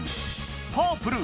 パープル！